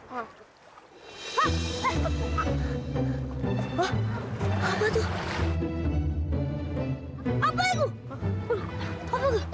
hah apa itu